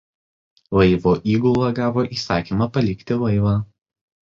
Laivo įgula gavo įsakymą palikti laivą.